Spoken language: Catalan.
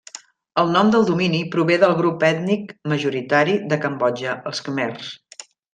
El nom del domini prové del grup ètnic majoritari de Cambodja, els khmers.